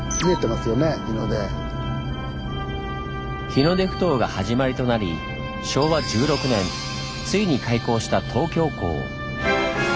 日の出ふ頭が始まりとなり昭和１６年ついに開港した東京港。